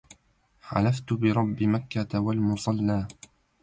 حلفت برب مكة والمصلى